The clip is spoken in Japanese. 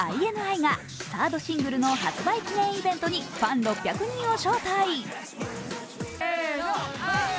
ＩＮＩがサードシングルの発売記念イベントにファン６００人を招待。